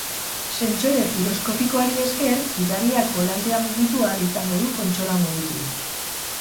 Sentsore giroskopikoari esker gidariak bolantea mugitu ahal izango du kontsola mugituz.